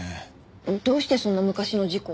どうしてそんな昔の事故を？